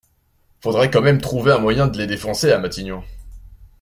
Faudrait quand même trouver un moyen de les défoncer à Matignon.